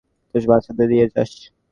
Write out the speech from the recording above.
বাচ্চাদের ঘুরানোর জন্য শপিং মলে নিয়ে যাস।